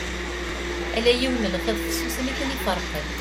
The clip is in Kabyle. Ala yiwen n lxiḍ fessusen i ten-iferqen.